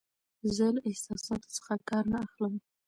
زه له احساساتو څخه کار نه اخلم.